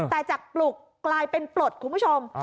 แต่จากปลุกกลายเป็นปลดคุณผู้ชม